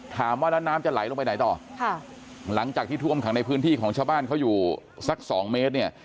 ถามว่าแล้วน้ำจะไหลลงไปไหนต่อค่ะหลังจากที่ท่วมขังในพื้นที่ของชาวบ้านเขาอยู่สักสองเมตรเนี่ย